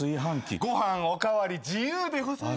ご飯お代わり自由でございます。